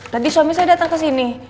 tadi suami saya datang kesini